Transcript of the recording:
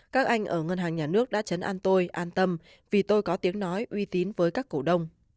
các anh ở ngân hàng nhà nước đã chấn an tôi an tâm vì tôi có tiếng nói uy tín với các cổ đông